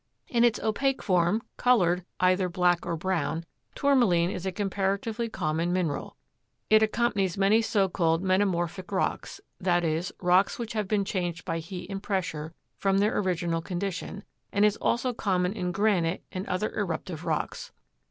In its opaque form, colored either black or brown, Tourmaline is a comparatively common mineral. It accompanies many so called metamorphic rocks, i. e., rocks which have been changed by heat and pressure from their original condition, and is also common in granite and other eruptive rocks.